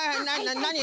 なに？